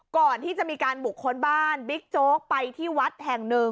ก่อนที่จะมีการบุคคลบ้านบิ๊กโจ๊กไปที่วัดแห่งหนึ่ง